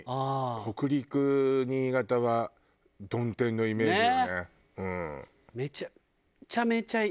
北陸新潟は曇天のイメージよね。